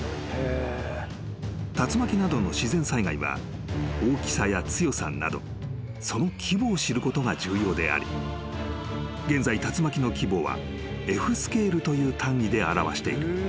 ［竜巻などの自然災害は大きさや強さなどその規模を知ることが重要であり現在竜巻の規模はＦスケールという単位で表している］